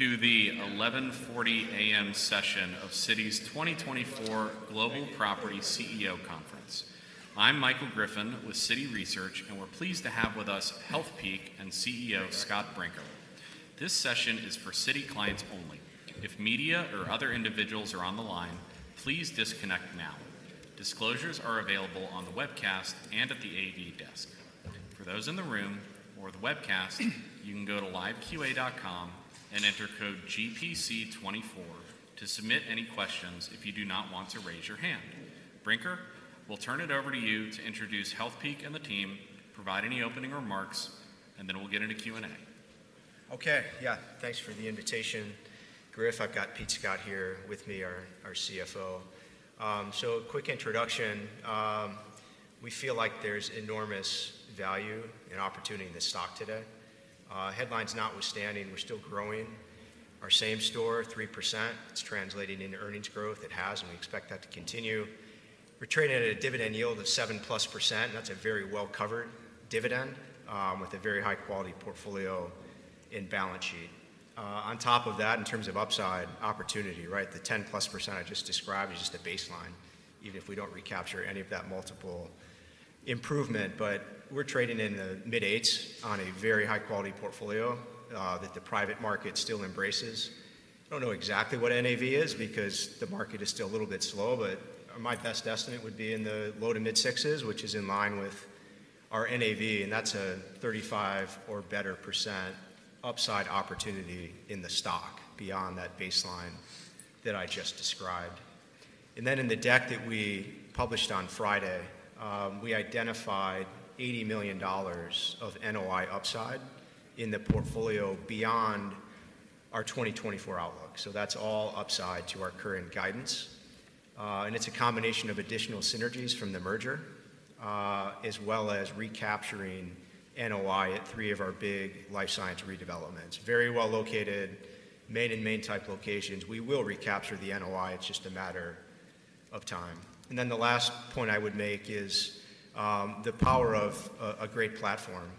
To the 11:40 A.M. session of Citi's 2024 Global Property CEO Conference. I'm Michael Griffin with Citi Research, and we're pleased to have with us Healthpeak's CEO, Scott Brinker. This session is for Citi clients only. If media or other individuals are on the line, please disconnect now. Disclosures are available on the webcast and at the AV desk. For those in the room or the webcast, you can go to liveqa.com and enter code GPC 24 to submit any questions if you do not want to raise your hand. Brinker, we'll turn it over to you to introduce Healthpeak and the team, provide any opening remarks, and then we'll get into Q&A. Okay. Yeah, thanks for the invitation. Griff, I've got Pete Scott here with me, our, our CFO. So quick introduction. We feel like there's enormous value and opportunity in the stock today. Headlines notwithstanding, we're still growing. Our same store, 3%, it's translating into earnings growth. It has, and we expect that to continue. We're trading at a dividend yield of 7%+. That's a very well-covered dividend, with a very high-quality portfolio and balance sheet. On top of that, in terms of upside opportunity, right, the 10%+ I just described is just a baseline, even if we don't recapture any of that multiple improvement. But we're trading in the mid-eights on a very high-quality portfolio, that the private market still embraces. I don't know exactly what NAV is because the market is still a little bit slow, but my best estimate would be in the low to mid-sixes, which is in line with our NAV, and that's a 35% or better upside opportunity in the stock beyond that baseline that I just described. Then in the deck that we published on Friday, we identified $80 million of NOI upside in the portfolio beyond our 2024 outlook. That's all upside to our current guidance. And it's a combination of additional synergies from the merger, as well as recapturing NOI at 3 of our big life science redevelopments. Very well-located, Main and Main type locations. We will recapture the NOI, it's just a matter of time. Then the last point I would make is, the power of a, a great platform.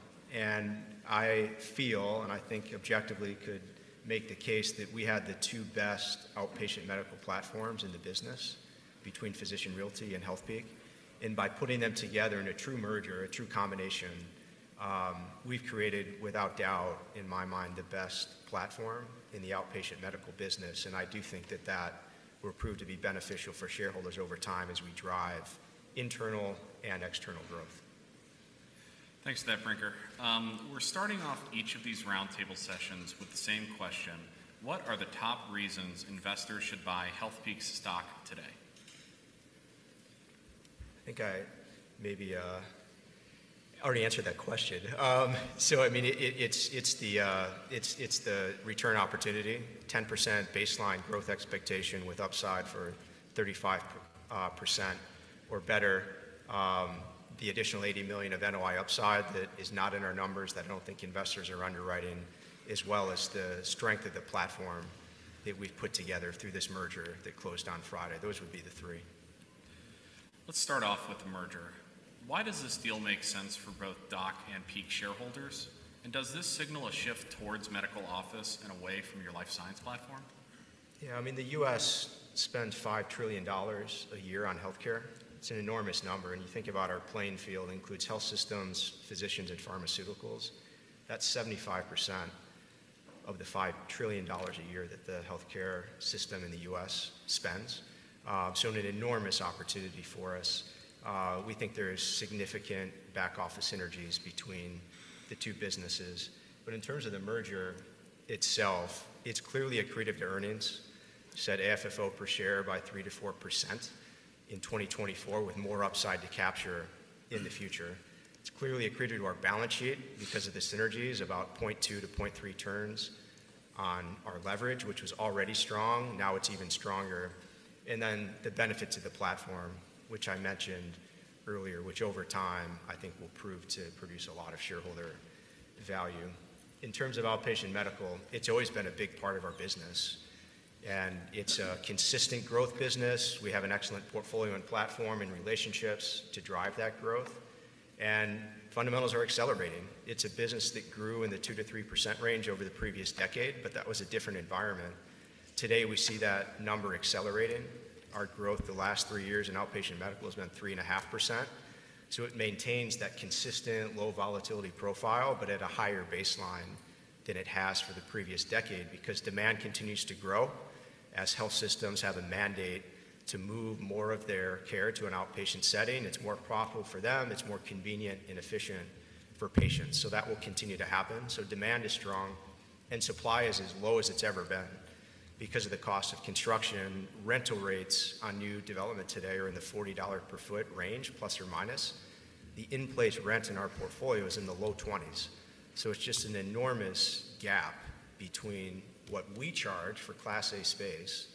I feel, and I think objectively could make the case, that we had the two best outpatient medical platforms in the business between Physicians Realty and Healthpeak. By putting them together in a true merger, a true combination, we've created, without doubt in my mind, the best platform in the outpatient medical business. And I do think that that will prove to be beneficial for shareholders over time as we drive internal and external growth. Thanks for that, Brinker. We're starting off each of these roundtable sessions with the same question: What are the top reasons investors should buy Healthpeak's stock today? I think I maybe already answered that question. So I mean, it's the return opportunity, 10% baseline growth expectation with upside for 35% or better. The additional $80 million of NOI upside that is not in our numbers, that I don't think investors are underwriting, as well as the strength of the platform that we've put together through this merger that closed on Friday. Those would be the three. Let's start off with the merger. Why does this deal make sense for both DOC and PEAK shareholders? And does this signal a shift towards medical office and away from your life science platform? Yeah, I mean, the U.S. spends $5 trillion a year on healthcare. It's an enormous number, and you think about our playing field includes health systems, physicians, and pharmaceuticals. That's 75% of the $5 trillion a year that the healthcare system in the U.S. spends. So an enormous opportunity for us. We think there is significant back-office synergies between the two businesses. But in terms of the merger itself, it's clearly accretive to earnings, set AFFO per share by 3%-4% in 2024, with more upside to capture in the future. It's clearly accretive to our balance sheet because of the synergies, about 0.2-0.3 turns on our leverage, which was already strong. Now it's even stronger. Then the benefits of the platform, which I mentioned earlier, which over time I think will prove to produce a lot of shareholder value. In terms of outpatient medical, it's always been a big part of our business, and it's a consistent growth business. We have an excellent portfolio and platform and relationships to drive that growth, and fundamentals are accelerating. It's a business that grew in the 2%-3% range over the previous decade, but that was a different environment. Today, we see that number accelerating. Our growth the last 3 years in outpatient medical has been 3.5%. It maintains that consistent low volatility profile, but at a higher baseline than it has for the previous decade, because demand continues to grow as health systems have a mandate to move more of their care to an outpatient setting. It's more profitable for them, it's more convenient and efficient for patients. So that will continue to happen. So demand is strong and supply is as low as it's ever been because of the cost of construction. Rental rates on new development today are in the $40 per sq ft range, plus or minus. The in-place rent in our portfolio is in the low $20s. So it's just an enormous gap between what we charge for Class A space,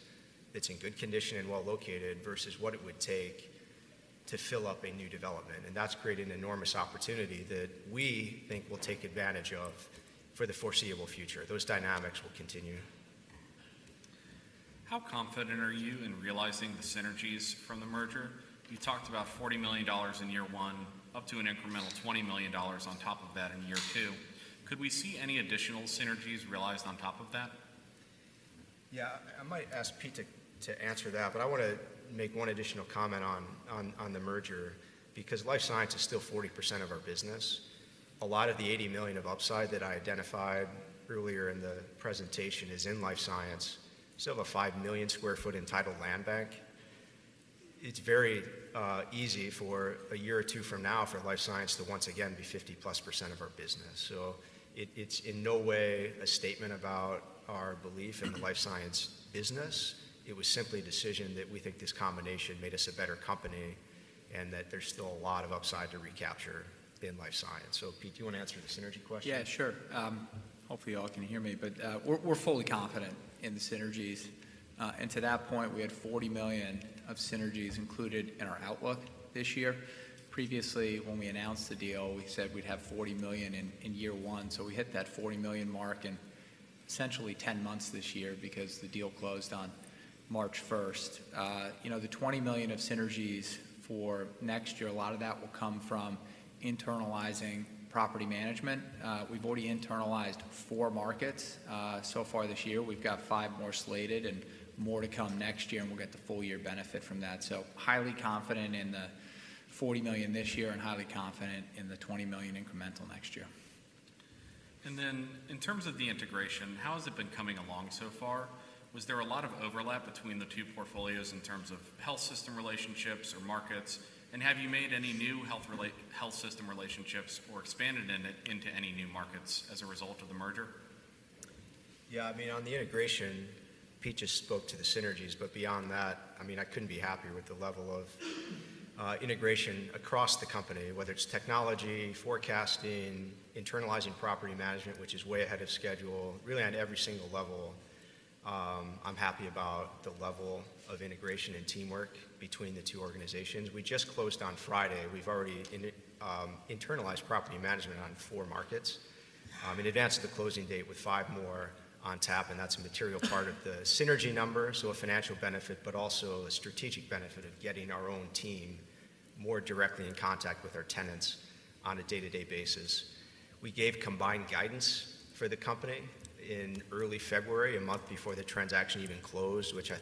that's in good condition and well-located, versus what it would take to fill up a new development. And that's created an enormous opportunity that we think we'll take advantage of for the foreseeable future. Those dynamics will continue. How confident are you in realizing the synergies from the merger? You talked about $40 million in year one, up to an incremental $20 million on top of that in year two. Could we see any additional synergies realized on top of that? Yeah, I might ask Pete to answer that, but I want to make one additional comment on the merger. Because life science is still 40% of our business, a lot of the $80 million of upside that I identified earlier in the presentation is in life science. We still have a 5 million sq ft entitled land bank. It's very easy for a year or two from now for life science to once again be 50%+ of our business. So it, it's in no way a statement about our belief in the life science business. It was simply a decision that we think this combination made us a better company, and that there's still a lot of upside to recapture in life science. So Pete, do you want to answer the synergy question? Yeah, sure. Hopefully you all can hear me, but we're fully confident in the synergies. And to that point, we had $40 million of synergies included in our outlook this year. Previously, when we announced the deal, we said we'd have $40 million in year one, so we hit that $40 million mark in essentially 10 months this year because the deal closed on March first. You know, the $20 million of synergies for next year, a lot of that will come from internalizing property management. We've already internalized 4 markets so far this year. We've got 5 more slated and more to come next year, and we'll get the full year benefit from that. So highly confident in the $40 million this year, and highly confident in the $20 million incremental next year. And then, in terms of the integration, how has it been coming along so far? Was there a lot of overlap between the two portfolios in terms of health system relationships or markets? And have you made any new health system relationships or expanded in it, into any new markets as a result of the merger? Yeah, I mean, on the integration, Pete just spoke to the synergies, but beyond that, I mean, I couldn't be happier with the level of integration across the company, whether it's technology, forecasting, internalizing property management, which is way ahead of schedule. Really, on every single level, I'm happy about the level of integration and teamwork between the two organizations. We just closed on Friday. We've already internalized property management on four markets in advance of the closing date, with five more on tap, and that's a material part of the synergy number. So a financial benefit, but also a strategic benefit of getting our own team more directly in contact with our tenants on a day-to-day basis. We gave combined guidance for the company in early February, a month before the transaction even closed, which I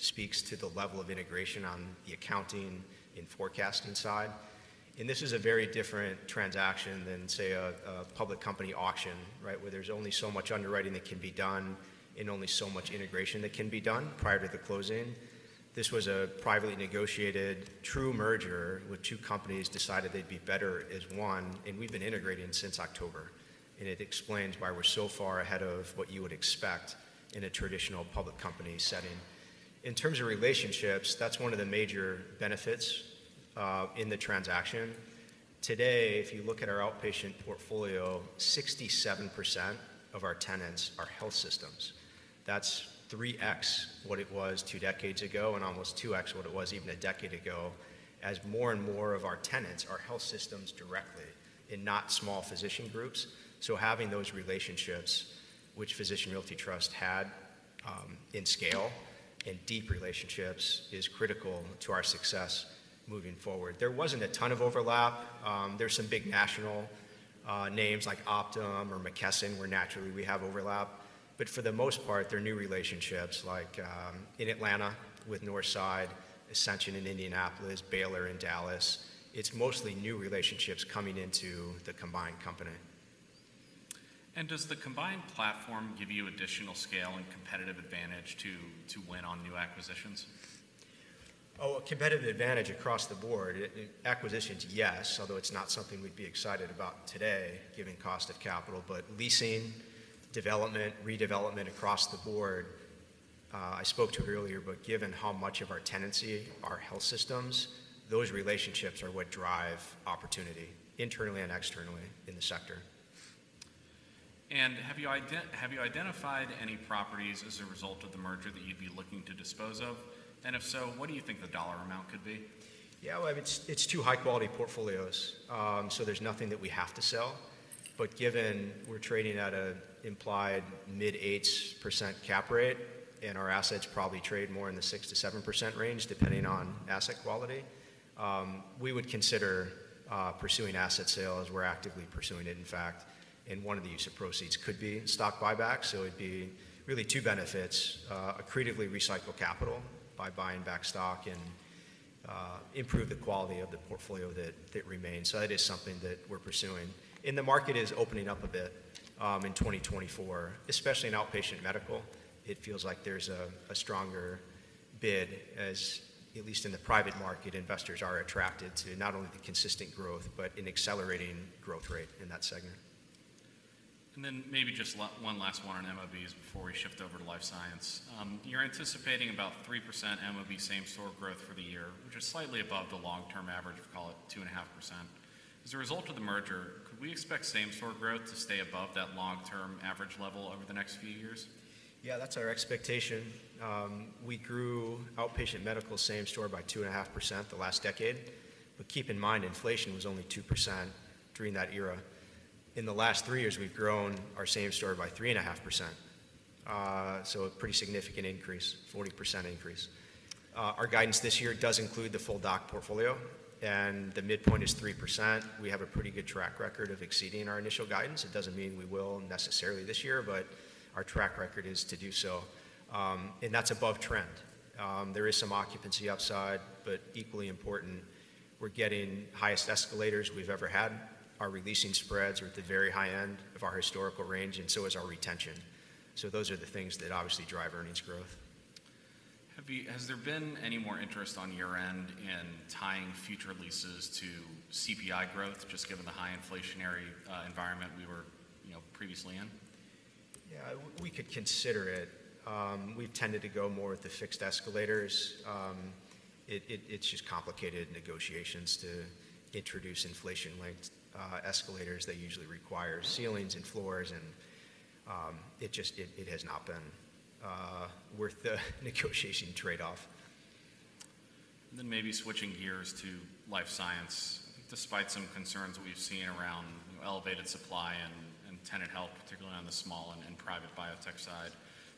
think speaks to the level of integration on the accounting and forecasting side. And this is a very different transaction than, say, a public company auction, right? Where there's only so much underwriting that can be done and only so much integration that can be done prior to the closing. This was a privately negotiated true merger, where two companies decided they'd be better as one, and we've been integrating since October. And it explains why we're so far ahead of what you would expect in a traditional public company setting. In terms of relationships, that's one of the major benefits, in the transaction. Today, if you look at our outpatient portfolio, 67% of our tenants are health systems. That's 3x what it was two decades ago, and almost 2x what it was even a decade ago, as more and more of our tenants are health systems directly and not small physician groups. So having those relationships, which Physicians Realty Trust had, in scale, and deep relationships, is critical to our success moving forward. There wasn't a ton of overlap. There's some big national names like Optum or McKesson, where naturally we have overlap. But for the most part, they're new relationships, like, in Atlanta with Northside, Ascension in Indianapolis, Baylor in Dallas. It's mostly new relationships coming into the combined company. Does the combined platform give you additional scale and competitive advantage to win on new acquisitions? Oh, a competitive advantage across the board. Acquisitions, yes, although it's not something we'd be excited about today, given cost of capital. But leasing, development, redevelopment across the board. I spoke to it earlier, but given how much of our tenancy are health systems, those relationships are what drive opportunity internally and externally in the sector. Have you identified any properties as a result of the merger that you'd be looking to dispose of? And if so, what do you think the dollar amount could be? Yeah, well, it's two high-quality portfolios, so there's nothing that we have to sell. But given we're trading at an implied mid-8% cap rate, and our assets probably trade more in the 6%-7% range, depending on asset quality, we would consider pursuing asset sales. We're actively pursuing it, in fact, and one of the use of proceeds could be stock buybacks. So it'd be really two benefits: accretively recycle capital by buying back stock and improve the quality of the portfolio that remains. So that is something that we're pursuing. And the market is opening up a bit in 2024, especially in outpatient medical. It feels like there's a stronger bid as, at least in the private market, investors are attracted to not only the consistent growth, but an accelerating growth rate in that segment. And then maybe just one last one on MOBs before we shift over to life science. You're anticipating about 3% MOB same-store growth for the year, which is slightly above the long-term average, we'll call it 2.5%. As a result of the merger, could we expect same-store growth to stay above that long-term average level over the next few years? Yeah, that's our expectation. We grew outpatient medical same store by 2.5% the last decade, but keep in mind, inflation was only 2% during that era. In the last three years, we've grown our same store by 3.5%. So a pretty significant increase, 40% increase. Our guidance this year does include the full DOC portfolio, and the midpoint is 3%. We have a pretty good track record of exceeding our initial guidance. It doesn't mean we will necessarily this year, but our track record is to do so, and that's above trend. There is some occupancy upside, but equally important, we're getting highest escalators we've ever had. Our re-leasing spreads are at the very high end of our historical range, and so is our retention. Those are the things that obviously drive earnings growth. Has there been any more interest on your end in tying future leases to CPI growth, just given the high inflationary environment we were, you know, previously in? Yeah, we could consider it. We've tended to go more with the fixed escalators. It's just complicated negotiations to introduce inflation-linked escalators. They usually require ceilings and floors, and it just has not been worth the negotiation trade-off. Then maybe switching gears to life science. Despite some concerns we've seen around elevated supply and tenant health, particularly on the small and private biotech side,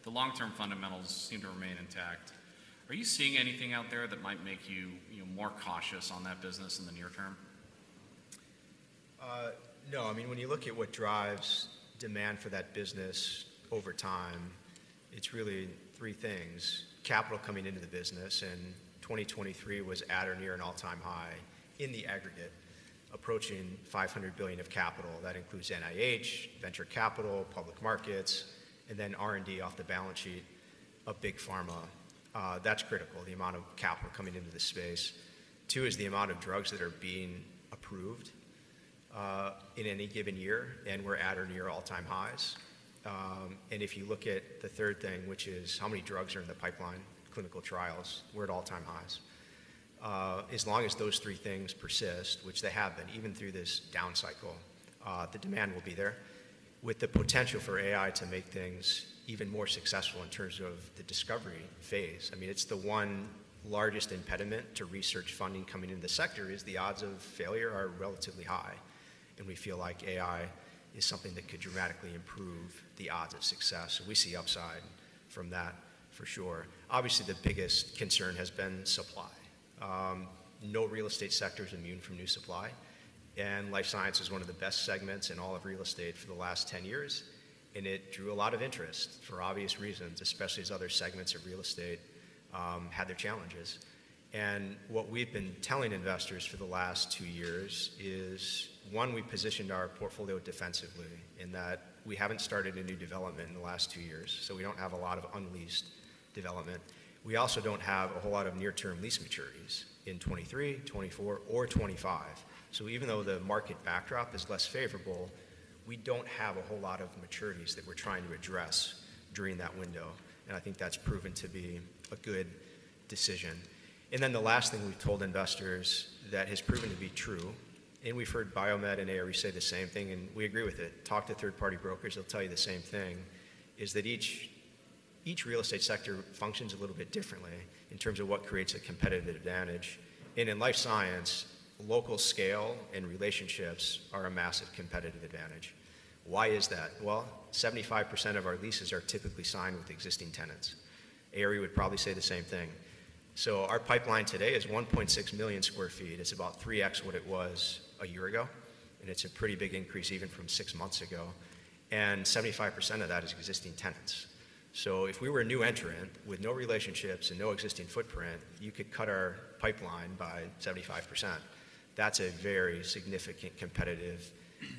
the long-term fundamentals seem to remain intact. Are you seeing anything out there that might make you, you know, more cautious on that business in the near term? No. I mean, when you look at what drives demand for that business over time, it's really three things. Capital coming into the business, and 2023 was at or near an all-time high in the aggregate, approaching $500 billion of capital. That includes NIH, venture capital, public markets, and then R&D off the balance sheet of big pharma. That's critical, the amount of capital coming into the space. Two is the amount of drugs that are being approved, in any given year, and we're at or near all-time highs. And if you look at the third thing, which is how many drugs are in the pipeline, clinical trials, we're at all-time highs. As long as those three things persist, which they have been, even through this down cycle, the demand will be there. With the potential for AI to make things even more successful in terms of the discovery phase, I mean, it's the one largest impediment to research funding coming into the sector, is the odds of failure are relatively high, and we feel like AI is something that could dramatically improve the odds of success. So we see upside from that for sure. Obviously, the biggest concern has been supply. No real estate sector is immune from new supply, and life science is one of the best segments in all of real estate for the last 10 years, and it drew a lot of interest for obvious reasons, especially as other segments of real estate had their challenges. And what we've been telling investors for the last two years is, one, we positioned our portfolio defensively in that we haven't started a new development in the last two years, so we don't have a lot of unleased development. We also don't have a whole lot of near-term lease maturities in 2023, 2024, or 2025. So even though the market backdrop is less favorable, we don't have a whole lot of maturities that we're trying to address during that window, and I think that's proven to be a good decision. And then the last thing we've told investors that has proven to be true, and we've heard BioMed and ARE say the same thing, and we agree with it. Talk to third-party brokers, they'll tell you the same thing, is that each, each real estate sector functions a little bit differently in terms of what creates a competitive advantage. In life science, local scale and relationships are a massive competitive advantage. Why is that? Well, 75% of our leases are typically signed with existing tenants. ARE would probably say the same thing. Our pipeline today is 1.6 million sq ft. It's about 3x what it was a year ago, and it's a pretty big increase even from six months ago, and 75% of that is existing tenants. If we were a new entrant with no relationships and no existing footprint, you could cut our pipeline by 75%. That's a very significant competitive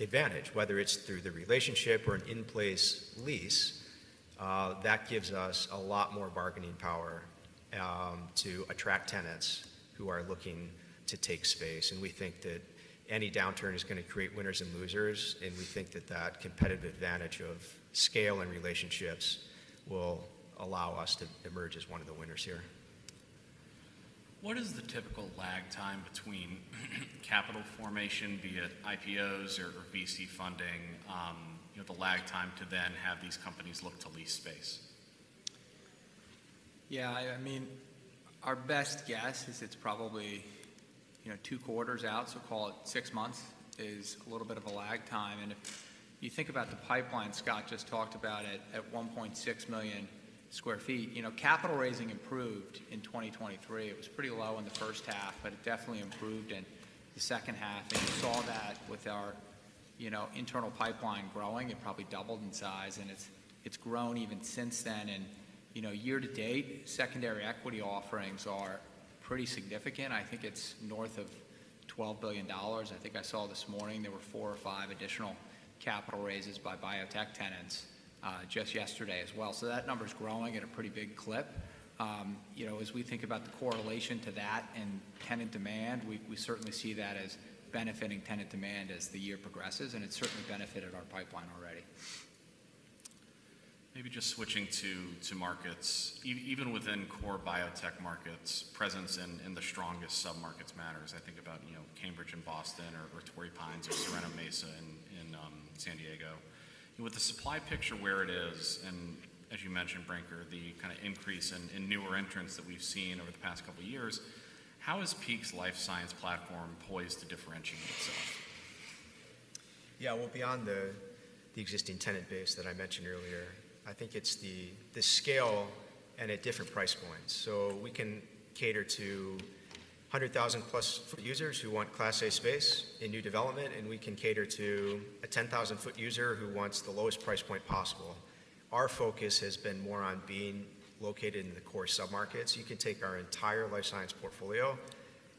advantage. Whether it's through the relationship or an in-place lease, that gives us a lot more bargaining power to attract tenants who are looking to take space, and we think that any downturn is going to create winners and losers, and we think that that competitive advantage of scale and relationships will allow us to emerge as one of the winners here. What is the typical lag time between capital formation via IPOs or VC funding, you know, the lag time to then have these companies look to lease space? Yeah, I mean, our best guess is it's probably, you know, two quarters out, so call it six months, is a little bit of a lag time. And if you think about the pipeline, Scott just talked about it, at 1.6 million sq ft, you know, capital raising improved in 2023. It was pretty low in the first half, but it definitely improved in the second half, and we saw that with our, you know, internal pipeline growing. It probably doubled in size, and it's grown even since then. And, you know, year to date, secondary equity offerings are pretty significant. I think it's north of $12 billion. I think I saw this morning there were 4 or 5 additional capital raises by biotech tenants just yesterday as well. So that number is growing at a pretty big clip. You know, as we think about the correlation to that and tenant demand, we certainly see that as benefiting tenant demand as the year progresses, and it's certainly benefited our pipeline already. Maybe just switching to markets. Even within core biotech markets, presence in the strongest submarkets matters. I think about, you know, Cambridge and Boston or Torrey Pines or Sorrento Mesa in San Diego. With the supply picture where it is, and as you mentioned, Brinker, the kind of increase in newer entrants that we've seen over the past couple of years... How is Healthpeak's life science platform poised to differentiate itself? Yeah, well, beyond the existing tenant base that I mentioned earlier, I think it's the scale and at different price points. So we can cater to 100,000+ foot users who want Class A space in new development, and we can cater to a 10,000 foot user who wants the lowest price point possible. Our focus has been more on being located in the core submarkets. You can take our entire life science portfolio,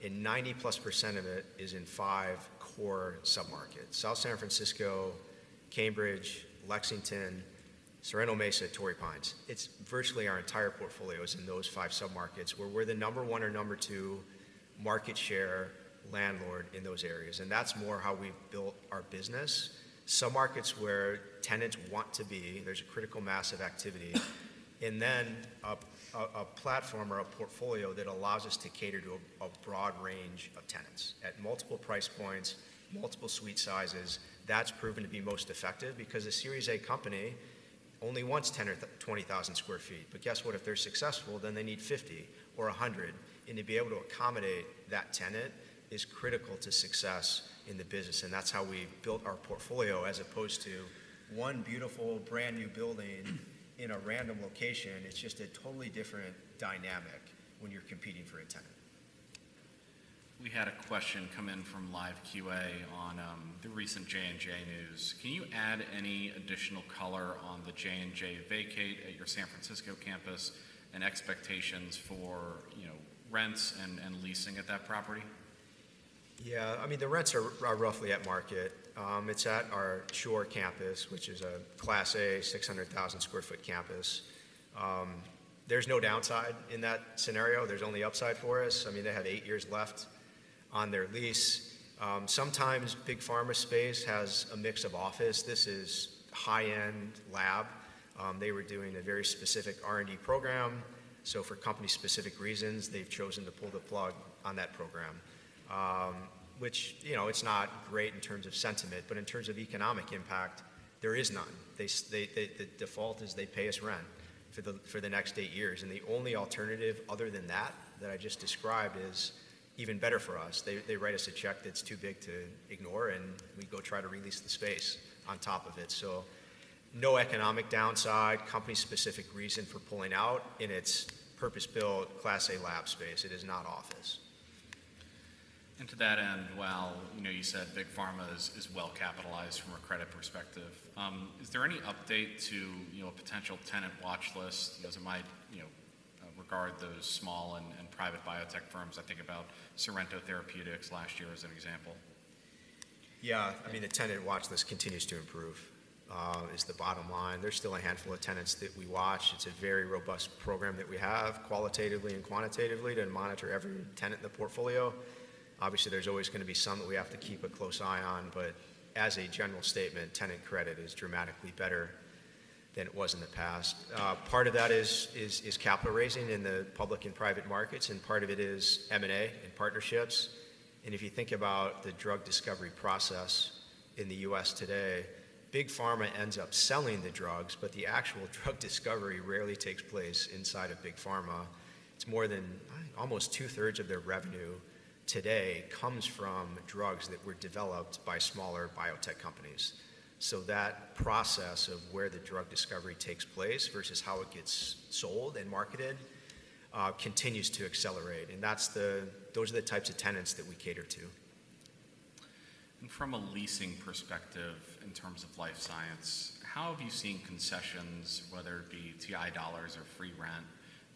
and 90+% of it is in 5 core submarkets: South San Francisco, Cambridge, Lexington, Sorrento Mesa, Torrey Pines. It's virtually our entire portfolio is in those 5 submarkets, where we're the number one or number two market share landlord in those areas, and that's more how we've built our business. Some markets where tenants want to be, there's a critical mass of activity, and then a platform or a portfolio that allows us to cater to a broad range of tenants at multiple price points, multiple suite sizes. That's proven to be most effective because a Series A company only wants 10 or 20,000 sq ft. But guess what? If they're successful, then they need 50 or 100, and to be able to accommodate that tenant is critical to success in the business, and that's how we've built our portfolio, as opposed to one beautiful, brand-new building in a random location. It's just a totally different dynamic when you're competing for a tenant. We had a question come in from live QA on the recent J&J news. Can you add any additional color on the J&J vacate at your San Francisco campus and expectations for, you know, rents and leasing at that property? Yeah, I mean, the rents are roughly at market. It's at our Shore campus, which is a Class A, 600,000 sq ft campus. There's no downside in that scenario. There's only upside for us. I mean, they had eight years left on their lease. Sometimes big pharma space has a mix of office. This is high-end lab. They were doing a very specific R&D program, so for company-specific reasons, they've chosen to pull the plug on that program. Which, you know, it's not great in terms of sentiment, but in terms of economic impact, there is none. They, the default is they pay us rent for the next eight years, and the only alternative other than that, that I just described, is even better for us. They write us a check that's too big to ignore, and we go try to re-lease the space on top of it. So no economic downside, company-specific reason for pulling out in its purpose-built Class A lab space. It is not office. To that end, while you know you said big pharma is well-capitalized from a credit perspective, is there any update to you know a potential tenant watch list, as it might you know regard those small and private biotech firms? I think about Sorrento Therapeutics last year as an example. Yeah, I mean, the tenant watch list continues to improve is the bottom line. There's still a handful of tenants that we watch. It's a very robust program that we have, qualitatively and quantitatively, to monitor every tenant in the portfolio. Obviously, there's always gonna be some that we have to keep a close eye on, but as a general statement, tenant credit is dramatically better than it was in the past. Part of that is capital raising in the public and private markets, and part of it is M&A and partnerships. And if you think about the drug discovery process in the U.S. today, big pharma ends up selling the drugs, but the actual drug discovery rarely takes place inside of big pharma. It's more than almost two-thirds of their revenue today comes from drugs that were developed by smaller biotech companies. So that process of where the drug discovery takes place versus how it gets sold and marketed continues to accelerate, and that's the... Those are the types of tenants that we cater to. From a leasing perspective, in terms of life science, how have you seen concessions, whether it be TI dollars or free rent,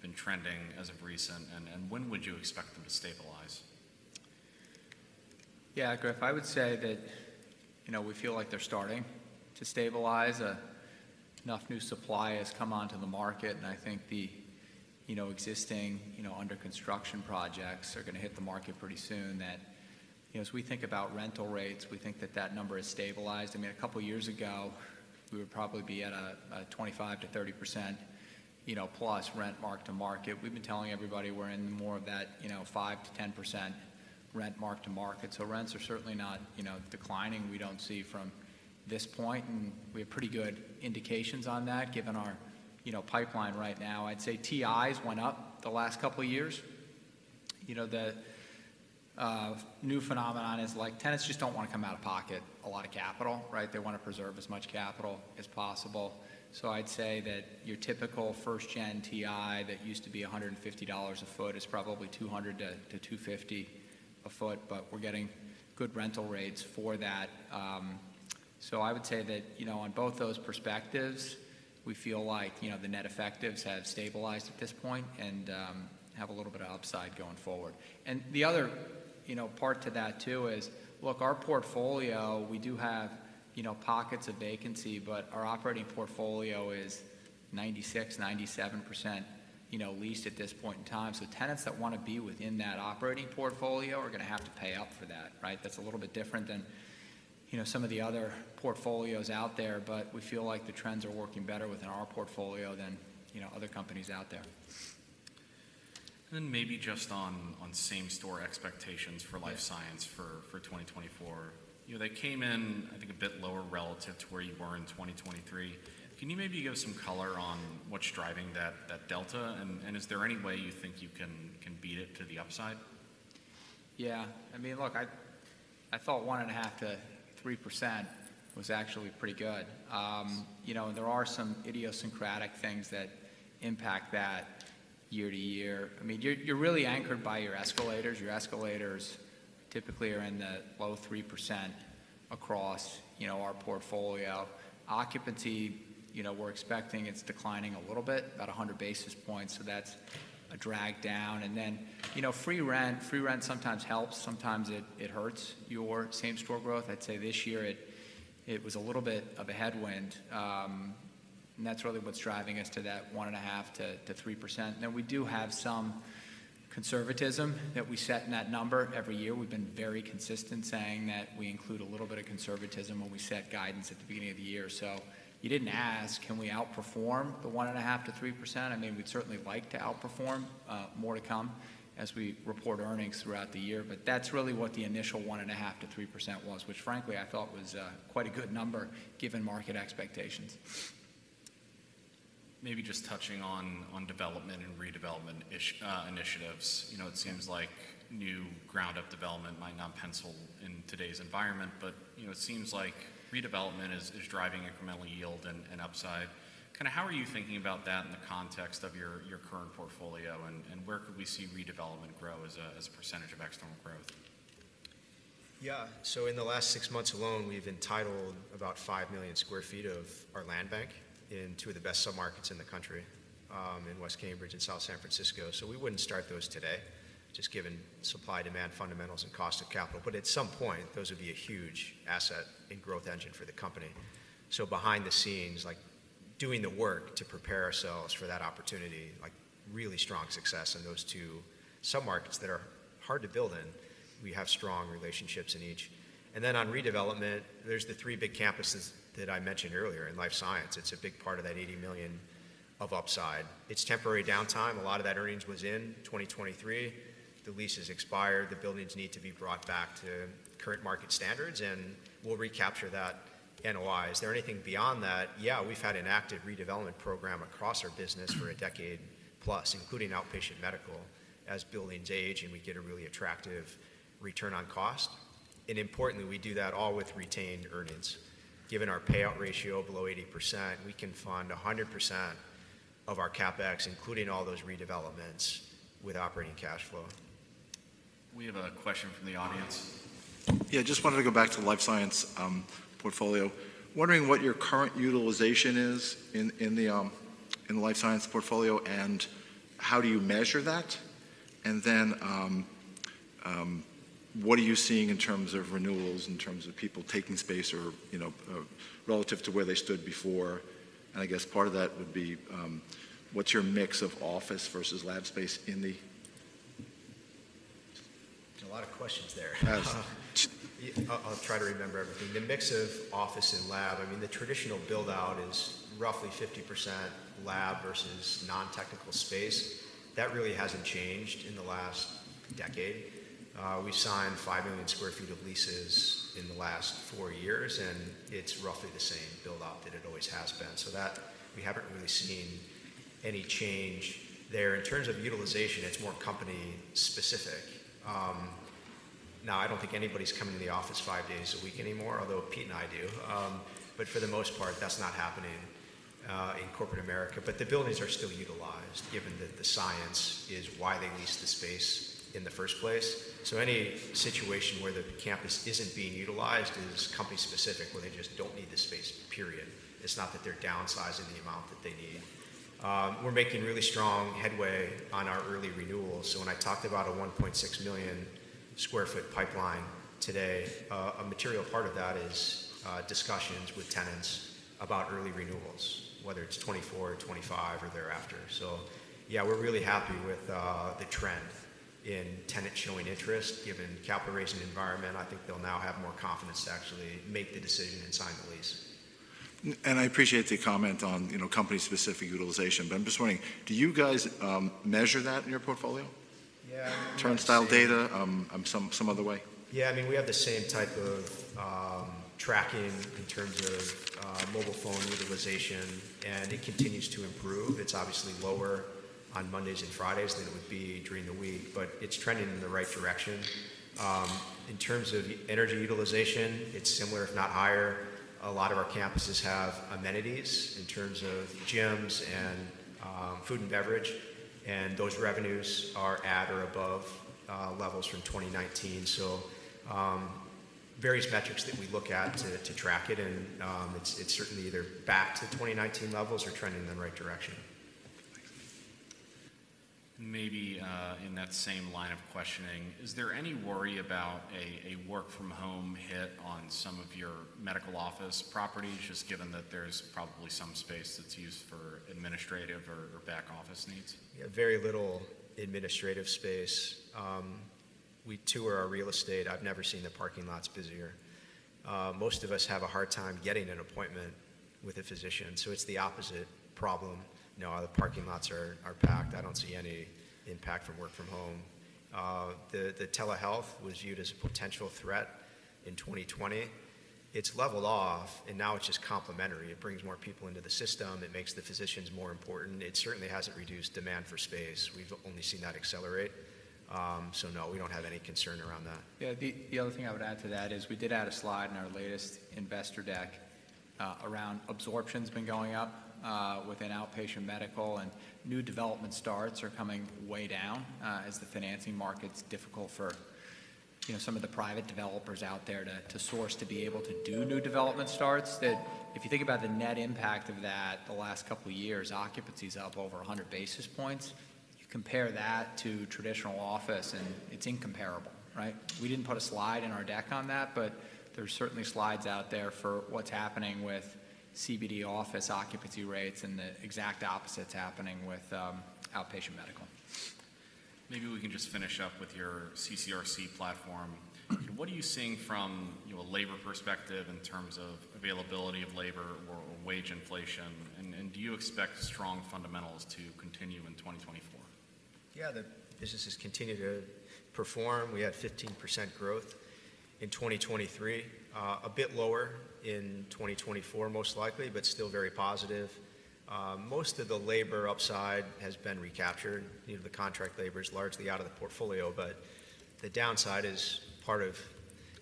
been trending as of recent, and when would you expect them to stabilize? Yeah, Griff, I would say that, you know, we feel like they're starting to stabilize. Enough new supply has come onto the market, and I think the, you know, existing, you know, under-construction projects are gonna hit the market pretty soon, that, you know, as we think about rental rates, we think that that number has stabilized. I mean, a couple years ago, we would probably be at a 25%-30%, you know, plus rent mark-to-market. We've been telling everybody we're in more of that, you know, 5%-10% rent mark-to-market. So rents are certainly not, you know, declining. We don't see from this point, and we have pretty good indications on that, given our, you know, pipeline right now. I'd say TIs went up the last couple of years. You know, the new phenomenon is, like, tenants just don't want to come out of pocket a lot of capital, right? They want to preserve as much capital as possible. So I'd say that your typical first-gen TI that used to be $150 a foot is probably $200-$250 a foot, but we're getting good rental rates for that. So I would say that, you know, on both those perspectives, we feel like, you know, the net effectives have stabilized at this point and have a little bit of upside going forward. And the other, you know, part to that, too, is, look, our portfolio, we do have, you know, pockets of vacancy, but our operating portfolio is 96%-97%, you know, leased at this point in time. So tenants that wanna be within that operating portfolio are gonna have to pay up for that, right? That's a little bit different than, you know, some of the other portfolios out there, but we feel like the trends are working better within our portfolio than, you know, other companies out there. And then maybe just on same-store expectations for life science- Yeah. For 2024. You know, they came in, I think, a bit lower relative to where you were in 2023. Can you maybe give some color on what's driving that delta, and is there any way you think you can beat it to the upside? Yeah, I mean, look, I thought 1.5%-3% was actually pretty good. You know, and there are some idiosyncratic things that impact that year to year. I mean, you're really anchored by your escalators. Your escalators typically are in the low 3% across, you know, our portfolio. Occupancy, you know, we're expecting it's declining a little bit, about 100 basis points, so that's a drag down. And then, you know, free rent, free rent sometimes helps, sometimes it hurts your same-store growth. I'd say this year it was a little bit of a headwind, and that's really what's driving us to that 1.5%-3%. Now, we do have some conservatism that we set in that number every year. We've been very consistent saying that we include a little bit of conservatism when we set guidance at the beginning of the year. So you didn't ask, can we outperform the 1.5%-3%? I mean, we'd certainly like to outperform, more to come as we report earnings throughout the year. But that's really what the initial 1.5%-3% was, which frankly, I thought was, quite a good number, given market expectations. Maybe just touching on development and redevelopment-ish initiatives. You know, it seems like new ground-up development might not pencil in today's environment, but, you know, it seems like redevelopment is driving incremental yield and upside. Kind of, how are you thinking about that in the context of your current portfolio, and where could we see redevelopment grow as a percentage of external growth? Yeah. So in the last six months alone, we've entitled about 5 million sq ft of our land bank in two of the best submarkets in the country, in West Cambridge and South San Francisco. So we wouldn't start those today, just given supply, demand, fundamentals, and cost of capital. But at some point, those would be a huge asset and growth engine for the company. So behind the scenes, like, doing the work to prepare ourselves for that opportunity, like, really strong success in those two submarkets that are hard to build in. We have strong relationships in each. And then on redevelopment, there's the three big campuses that I mentioned earlier in life science. It's a big part of that $80 million of upside. It's temporary downtime. A lot of that earnings was in 2023. The leases expired, the buildings need to be brought back to current market standards, and we'll recapture that NOI. Is there anything beyond that? Yeah, we've had an active redevelopment program across our business for a decade plus, including outpatient medical, as buildings age and we get a really attractive return on cost. And importantly, we do that all with retained earnings. Given our payout ratio below 80%, we can fund 100% of our CapEx, including all those redevelopments, with operating cash flow. We have a question from the audience. Yeah, just wanted to go back to the life science portfolio. Wondering what your current utilization is in the life science portfolio, and how do you measure that? And then, what are you seeing in terms of renewals, in terms of people taking space or, you know, relative to where they stood before? And I guess part of that would be, what's your mix of office versus lab space in the...? A lot of questions there. Yes. I'll try to remember everything. The mix of office and lab, I mean, the traditional build-out is roughly 50% lab versus non-technical space. That really hasn't changed in the last decade. We've signed 5 million sq ft of leases in the last 4 years, and it's roughly the same build-out that it always has been. So that, we haven't really seen any change there. In terms of utilization, it's more company specific. Now, I don't think anybody's coming to the office 5 days a week anymore, although Pete and I do. But for the most part, that's not happening in corporate America. But the buildings are still utilized, given that the science is why they leased the space in the first place. So any situation where the campus isn't being utilized is company specific, where they just don't need the space, period. It's not that they're downsizing the amount that they need. We're making really strong headway on our early renewals. So when I talked about a 1.6 million sq ft pipeline today, a material part of that is discussions with tenants about early renewals, whether it's 2024 or 2025 or thereafter. So yeah, we're really happy with the trend in tenants showing interest. Given capital raising environment, I think they'll now have more confidence to actually make the decision and sign the lease. I appreciate the comment on, you know, company-specific utilization, but I'm just wondering, do you guys measure that in your portfolio? Yeah. Turnstile data, some other way? Yeah, I mean, we have the same type of, tracking in terms of, mobile phone utilization, and it continues to improve. It's obviously lower on Mondays and Fridays than it would be during the week, but it's trending in the right direction. In terms of energy utilization, it's similar, if not higher. A lot of our campuses have amenities in terms of gyms and, food and beverage, and those revenues are at or above, levels from 2019. So, various metrics that we look at to track it, and, it's certainly either back to 2019 levels or trending in the right direction. Thanks. Maybe, in that same line of questioning, is there any worry about a work-from-home hit on some of your medical office properties, just given that there's probably some space that's used for administrative or back office needs? Yeah, very little administrative space. We tour our real estate. I've never seen the parking lots busier. Most of us have a hard time getting an appointment with a physician, so it's the opposite problem. You know, our parking lots are packed. I don't see any impact from work from home. The telehealth was viewed as a potential threat in 2020. It's leveled off, and now it's just complementary. It brings more people into the system, it makes the physicians more important. It certainly hasn't reduced demand for space. We've only seen that accelerate. So no, we don't have any concern around that. Yeah, the other thing I would add to that is we did add a slide in our latest investor deck around absorption's been going up within outpatient medical, and new development starts are coming way down as the financing market's difficult for, you know, some of the private developers out there to source to be able to do new development starts. That if you think about the net impact of that, the last couple years, occupancy is up over 100 basis points. You compare that to traditional office, and it's incomparable, right? We didn't put a slide in our deck on that, but there's certainly slides out there for what's happening with CBD office occupancy rates, and the exact opposite's happening with outpatient medical. Maybe we can just finish up with your CCRC platform. What are you seeing from, you know, a labor perspective in terms of availability of labor or wage inflation? And, and do you expect strong fundamentals to continue in 2024? Yeah, the businesses continue to perform. We had 15% growth in 2023. A bit lower in 2024, most likely, but still very positive. Most of the labor upside has been recaptured. You know, the contract labor is largely out of the portfolio, but the downside is part of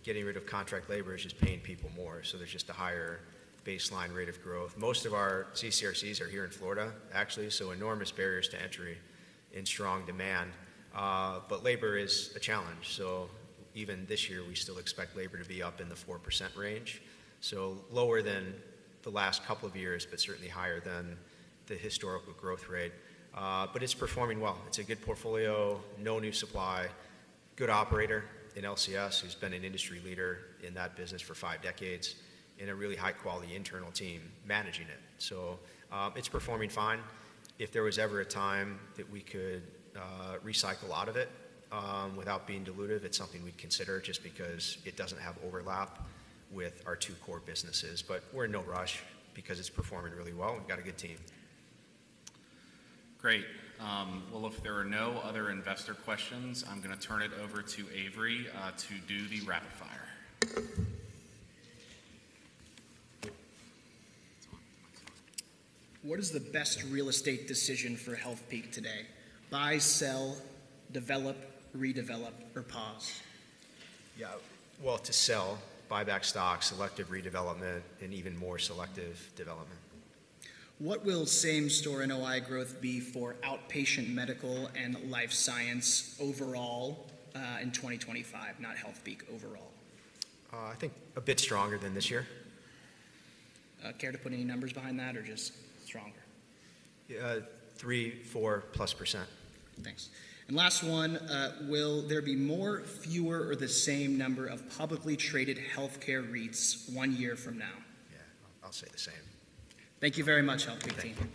getting rid of contract labor is just paying people more, so there's just a higher baseline rate of growth. Most of our CCRCs are here in Florida, actually, so enormous barriers to entry and strong demand. But labor is a challenge, so even this year, we still expect labor to be up in the 4% range. So lower than the last couple of years, but certainly higher than the historical growth rate. But it's performing well. It's a good portfolio, no new supply, good operator in LCS, who's been an industry leader in that business for five decades, and a really high-quality internal team managing it. So, it's performing fine. If there was ever a time that we could recycle out of it, without being dilutive, it's something we'd consider just because it doesn't have overlap with our two core businesses. But we're in no rush because it's performing really well, and we've got a good team. Great. Well, if there are no other investor questions, I'm gonna turn it over to Avery to do the rapid fire. What is the best real estate decision for Healthpeak today? Buy, sell, develop, redevelop, or pause? Yeah. Well, to sell, buy back stock, selective redevelopment, and even more selective development. What will same-store NOI growth be for outpatient medical and life science overall, in 2025, not Healthpeak, overall? I think a bit stronger than this year. Care to put any numbers behind that or just stronger? 3, 4+ %. Thanks. Last one, will there be more, fewer, or the same number of publicly traded healthcare REITs one year from now? Yeah, I'll say the same. Thank you very much, Healthpeak team.